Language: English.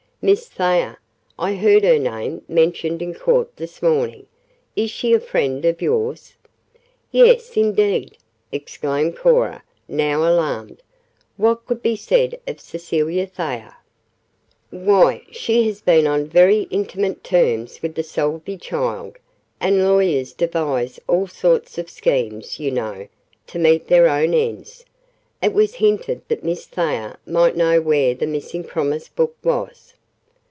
"Miss Thayer! I heard her name mentioned in court this morning. Is she a friend of yours?" "Yes, indeed!" exclaimed Cora, now alarmed. "What could be said of Cecilia Thayer?" "Why, she has been on very intimate terms with the Salvey child, and lawyers devise all sorts of schemes, you know, to meet their own ends. It was hinted that Miss Thayer might know where the missing promise book was."